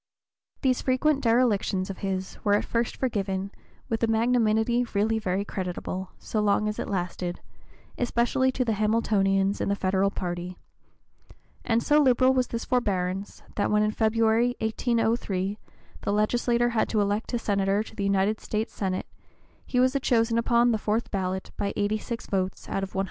These frequent derelictions of his were at first forgiven with a magnanimity really very creditable, so long as it lasted, especially to the Hamiltonians in the Federal party; and so liberal was this forbearance that when in February, 1803, the legislature had to elect a Senator to the United States Senate, he was chosen upon the fourth ballot by 86 votes out of 171.